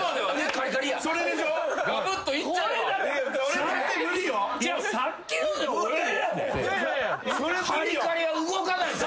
カリカリは動かないから。